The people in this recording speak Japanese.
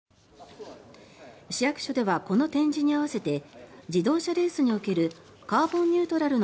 市役所ではこの展示に合わせて自動車レースにおけるカーボンニュートラルの